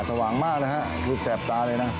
สว่างมากนะฮะดูแสบตาเลยนะ